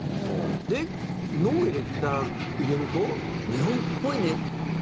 で、「の」を入れると日本っぽいねって。